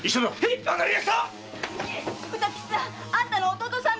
歌吉さんあんたの弟さん